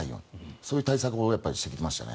そういう対策をしてきましたね。